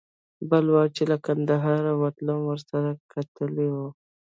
بل وار چې له کندهاره وتلم ورسره کتلي و.